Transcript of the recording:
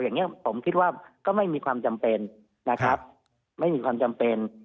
อย่างนี้ผมคิดว่าก็ไม่มีความจำเป็นนะครับไม่มีความจำเป็น